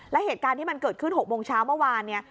และเหตุการณ์ที่มันเกิดขึ้น๖โมงเช้าเมื่อวานเนี่ย